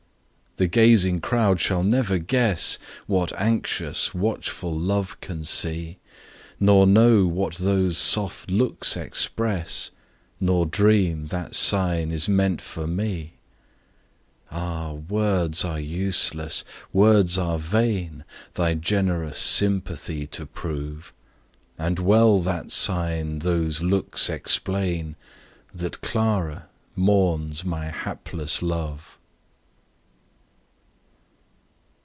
The gazing crowd shall never guess What anxious, watchful Love can see; Nor know what those soft looks express, Nor dream that sign is meant for me. Page 40 Ah! words are useless, words are vain, Thy generous sympathy to prove; And well that sign, those looks explain, That Clara mourns my hapless love.